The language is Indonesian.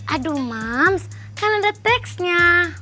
aduh mams kan ada teksnya